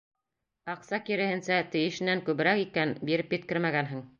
Аҡса, киреһенсә, тейешенән күберәк икән, биреп еткермәгәнһең.